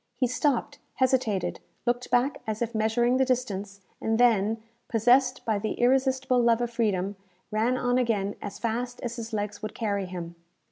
He stopped, hesitated, looked back as if measuring the distance, and then, possessed by the irresistible love of freedom, ran on again as fast as his legs would carry him.